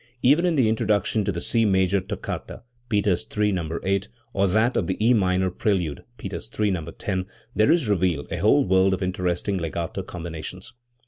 Even in the introduction to the C major toccata (Peters III, No. 8), or that of the E minor prelude (Peters III, No. 10), there is revealed a whole world of interesting legato combina tions.